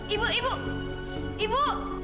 ibu ibu ibu